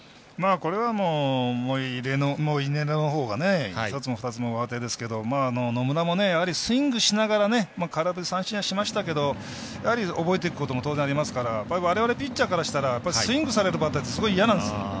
これはモイネロのほうが１つも２つもうわてですが野村もやはりスイングしながら空振り三振はしましたけど覚えていくことも当然ありますからわれわれピッチャーからしたらスイングされるバッターってすごい嫌なんです。